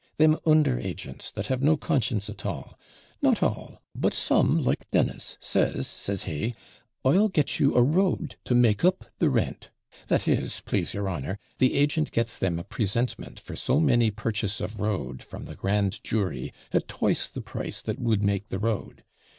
'Them under agents, that have no conscience at all. Not all but SOME, like Dennis, says, says he, "I'll get you a road to make up the rent:" that is, plase your honour, the agent gets them a presentment for so many perches of road from the grand jury, at twice the price that would make the road.